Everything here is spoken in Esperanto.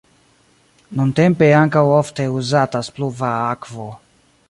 Nuntempe ankaŭ ofte uzatas pluva akvo.